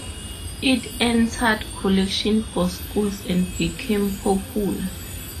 It entered collections for schools and became popular.